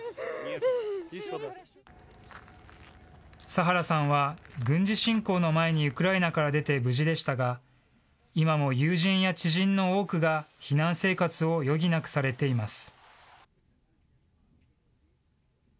サハラさんは、軍事侵攻の前にウクライナから出て無事でしたが、今も友人や知人の多くが避難生活を余儀なくされています。